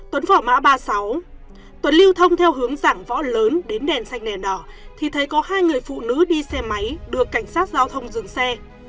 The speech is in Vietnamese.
tuấn vỏ mã ba mươi sáu tuấn lưu thông theo hướng giảng võ lớn đến đèn xanh đèn đỏ thì thấy có hai người phụ nữ đi xe máy được cảnh sát giao thông dừng xe